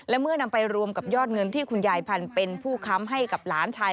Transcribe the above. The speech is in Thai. และเมื่อนำไปรวมกับยอดเงินที่คุณยายพันธุ์เป็นผู้ค้ำให้กับหลานชาย